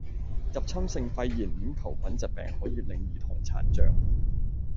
入侵性肺炎鏈球菌疾病可以令兒童殘障